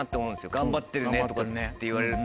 「頑張ってるね」とか言われると。